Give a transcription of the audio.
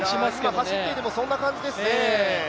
今走っていても、そんな感じですね。